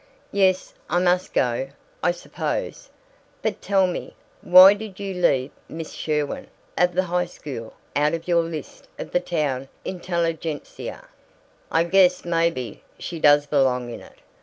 "Yes, I must go, I suppose. But tell me: Why did you leave Miss Sherwin, of the high school, out of your list of the town intelligentsia?" "I guess maybe she does belong in it.